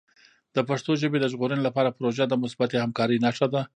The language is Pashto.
د پښتو ژبې د ژغورنې لپاره پروژه د مثبتې همکارۍ نښه ده.